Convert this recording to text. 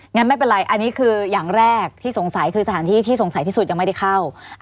งั้นไม่เป็นไรอันนี้คืออย่างแรกที่สงสัยคือสถานที่ที่สงสัยที่สุดยังไม่ได้เข้า